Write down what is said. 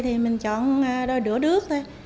thì mình chọn đồi đũa đước thôi